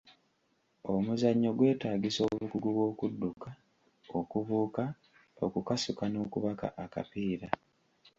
Omuzannyo gwetaagisa obukugu bw'okudduka, okubuuka, okukasuka n’okubaka akapiira.